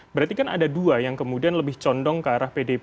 berarti kan ada dua yang kemudian lebih condong ke arah pdip